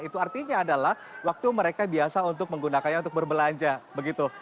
itu artinya adalah waktu mereka biasa untuk menggunakannya untuk berbelanja begitu